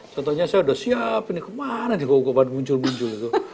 contohnya saya sudah siap ini kemana nih keunggupan muncul muncul itu